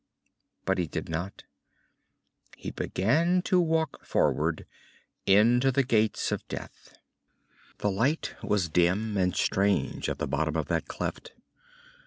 But he did not. He began to walk forward, into the Gates of Death. _The light was dim and strange at the bottom of that cleft.